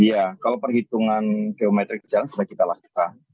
iya kalau perhitungan kiometrik jalan sudah kita lakukan